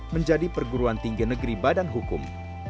menjadi perguruan tinggi negeri badan hukum